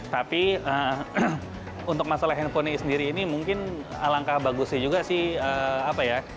tapi untuk masalah handphonenya sendiri ini mungkin alangkah bagusnya juga sih apa ya